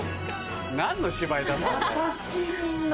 何の芝居だったんだ。